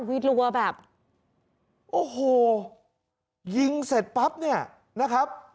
รัวแบบโอ้โหยิงเสร็จปั๊บเนี่ยนะครับ